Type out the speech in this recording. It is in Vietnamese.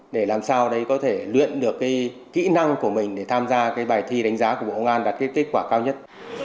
để làm sao có thể luyện được kỹ năng của mình để tham gia bài thi đánh giá của bộ công an đạt kết quả cao nhất